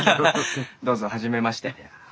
どうぞはじめまして。